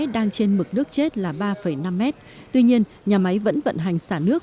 đang trên mực nước chết là ba năm mét tuy nhiên nhà máy vẫn vận hành xả nước